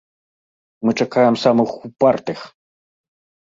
Мы чакаем самых упартых!